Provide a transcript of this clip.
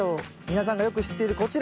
皆さんがよく知っているこちら。